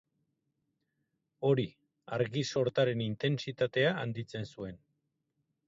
Hori, argi sortaren intentsitatea handitzen zuen.